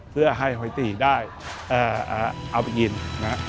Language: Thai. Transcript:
เพื่อให้หอเฮียตีได้เอาไปกินนะ